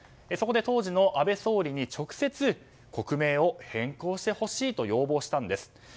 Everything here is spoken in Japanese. そこで、当時の安倍総理に直接国名を変更してほしいと要望したんです。